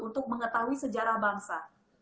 untuk mengetahui sejarah bangsa